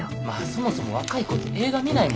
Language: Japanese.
そもそも若い子って映画見ないもんな。